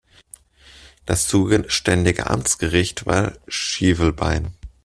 Das zuständige Amtsgericht war Schivelbein.